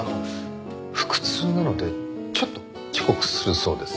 腹痛なのでちょっと遅刻するそうです。